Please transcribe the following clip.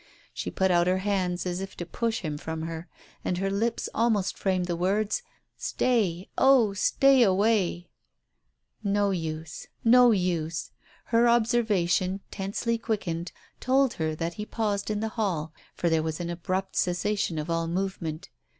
She put out her hands as if to push him from her, and her lips almost framed the words, "Stay, oh, stay away 1 " No use, no use ! Her observation, tensely quickened, told her that he paused in the hall, for there was an abrupt cessation of all movement.